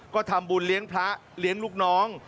ก็ทำบุญเลี้ยงพระเลี้ยงลูกน้อง